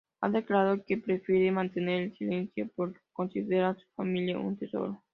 Ha declarado que prefiere mantener el silencio porque considera a su familia un tesoro.